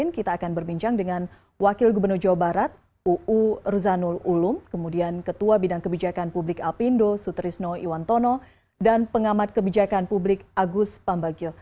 kita akan berbincang dengan wakil gubernur jawa barat uu ruzanul ulum kemudian ketua bidang kebijakan publik alpindo sutrisno iwantono dan pengamat kebijakan publik agus pambagio